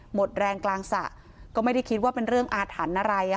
หมดแรงกลางสระก็ไม่ได้คิดว่าเป็นเรื่องอาถรรพ์อะไร